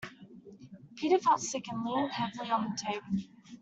Peter felt sick, and leaned heavily on the table